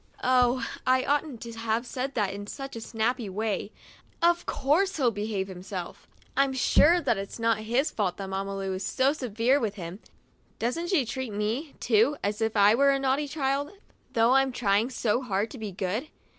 Oh, I oughtn't to have said that in such a snappy way ; of course he behaves himself ! I'm sure that it's not his fault that Mamma Lu is so severe with him. Doesn't she treat me, too, as if I were a naughty child, though I'm trying so hard to be good?